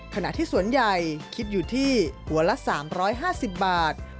ขณะที่สวนใหญ่คิดอยู่ที่หัวละ๓๕๐บาท